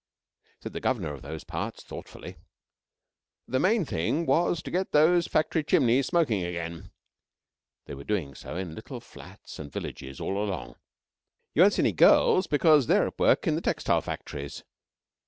Said the Governor of those parts thoughtfully: "The main thing was to get those factory chimneys smoking again." (They were doing so in little flats and villages all along.) "You won't see any girls, because they're at work in the textile factories.